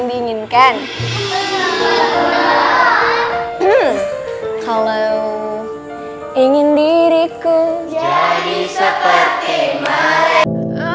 diinginkan kalau ingin diriku jadi seperti mereka